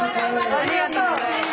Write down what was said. ありがとうございます。